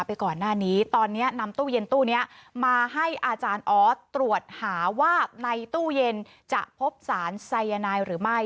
ไปก่อนหน้านี้ตอนนี้นำตู้เย็นตู้นี้มาให้อาจารย์ออสตรวจหาว่าในตู้เย็นจะพบสารไซยานายหรือไม่